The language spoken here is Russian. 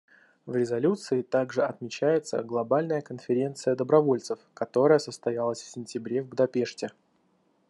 В резолюции также отмечается Глобальная конференция добровольцев, которая состоялась в сентябре в Будапеште.